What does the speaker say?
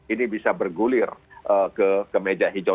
ini bisa bergulir ke meja hijau